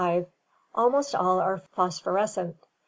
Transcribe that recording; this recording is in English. Almost all are phosphorescent.